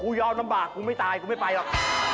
ยอมลำบากกูไม่ตายกูไม่ไปหรอก